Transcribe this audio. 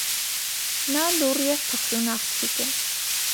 Նա լուռ և փխրուն աղջիկ է։